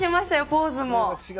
ポーズも。